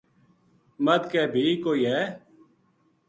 مَدھ کے بی کوئی ہے